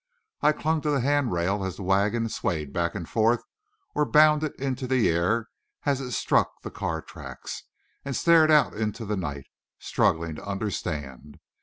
I clung to the hand rail as the wagon swayed back and forth or bounded into the air as it struck the car tracks, and stared out into the night, struggling to understand.